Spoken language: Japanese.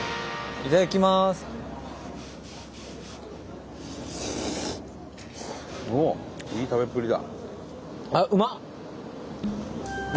いい食べっぷりだ。